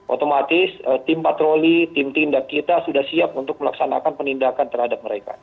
otomatis tim patroli tim tindak kita sudah siap untuk melaksanakan penindakan terhadap mereka